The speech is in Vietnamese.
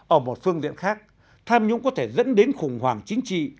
ở một phương diện khác tham nhũng có thể dẫn đến khủng hoảng chính trị